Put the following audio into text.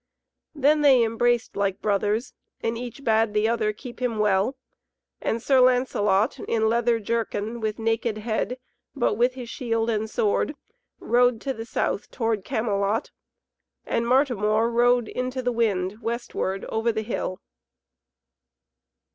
Then they embraced like brothers; and each bade other keep him well; and Sir Lancelot in leather jerkin, with naked head, but with his shield and sword, rode to the south toward Camelot; and Martimor rode into the wind, westward, over the hill.